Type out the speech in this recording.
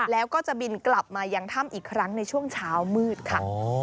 แล้วก็จะบินกลับมายังถ้ำอีกครั้งในช่วงเช้ามืดค่ะ